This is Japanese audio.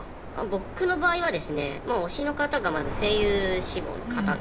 僕の場合はですね推しの方がまず声優志望の方が多い。